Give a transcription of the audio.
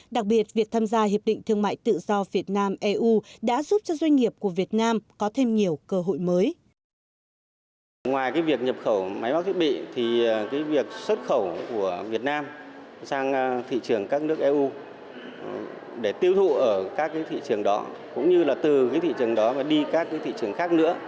đặc biệt việc tham gia hiệp định thương mại tự do việt nam eu đã giúp cho doanh nghiệp